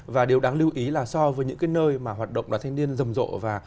và điều đáng lưu ý là so với những cái nơi mà hoạt động đoàn thanh niên rầm rộ và